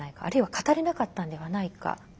あるいは語れなかったんではないか。